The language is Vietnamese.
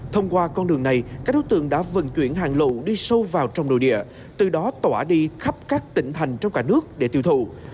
thông qua con đường này các đối tượng đã vận chuyển hàng lậu đi sâu vào trong nội địa từ đó tỏa đi khắp các tỉnh thành trong cả nước để tiêu thụ